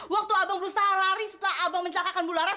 waktu abang berusaha lari setelah abang mencelakakan bularas